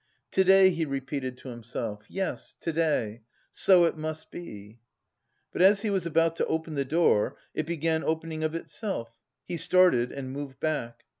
To day," he repeated to himself. "Yes, to day! So it must be...." But as he was about to open the door, it began opening of itself. He started and moved back.